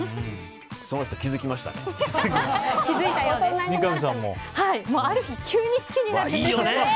その人、気づきましたね。